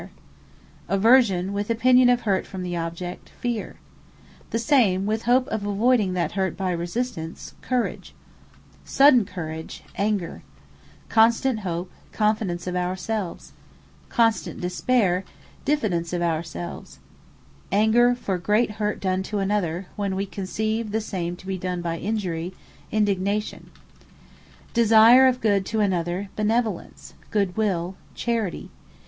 Feare Aversion, with opinion of Hurt from the object, FEARE. Courage The same, with hope of avoyding that Hurt by resistance, COURAGE. Anger Sudden Courage, ANGER. Confidence Constant Hope, CONFIDENCE of our selves. Diffidence Constant Despayre, DIFFIDENCE of our selves. Indignation Anger for great hurt done to another, when we conceive the same to be done by Injury, INDIGNATION. Benevolence Desire of good to another, BENEVOLENCE, GOOD WILL, CHARITY.